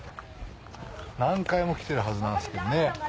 何回も来てるはずなんですけどね。